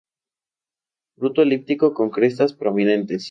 Fruto elíptico con crestas prominentes.